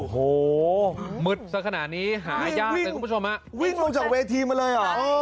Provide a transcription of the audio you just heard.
โหมืดสักขณะนี้หาย่างเพื่อนคุณผู้ชมฮะวิ่งลงจากเวทีมาเลยหรออ่อ